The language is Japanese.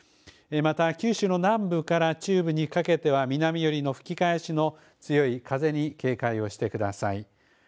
また、九州の南部から中部にかけては、南寄りの吹き返しの強い風に警戒をしてください。